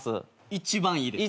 一番いいです。